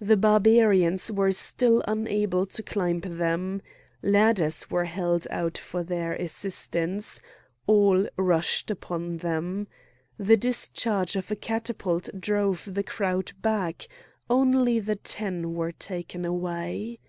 The Barbarians were still unable to climb them. Ladders were held out for their assistance; all rushed upon them. The discharge of a catapult drove the crowd back; only the Ten were taken away.